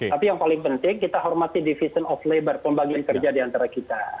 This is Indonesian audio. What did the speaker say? tapi yang paling penting kita hormati division of labor pembagian kerja diantara kita